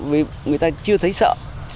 vì người ta chưa thấy sợ